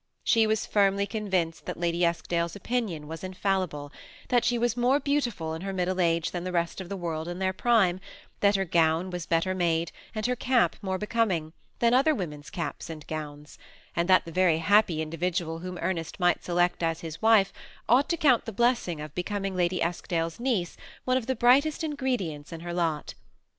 She was firmly convinced that Lady Eskdale's opinion was infallible ; that she was more beautiful in her mid dle age than the rest of the world in their prime ; that her gown was better made, and her cap more becoming than other women's caps and gowns ; and that the very happy individual whom Ernest might select as his wife ought to count the blessing of becoming Lady Esk dale's niece one of the brightest ingredients in her lot.